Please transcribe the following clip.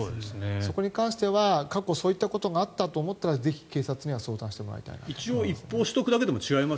そこに関しては過去そういったことがあったと思ったらぜひ、警察に相談してほしいと思います。